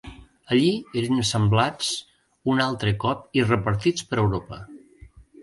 Allí eren assemblats un altre cop i repartits per Europa.